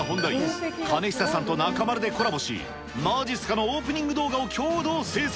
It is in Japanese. ひささんと中丸でコラボし、まじっすかのオープニング動画を共同制作。